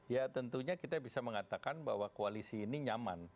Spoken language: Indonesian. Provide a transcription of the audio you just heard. ya tentunya kita bisa mengatakan bahwa koalisi ini nyaman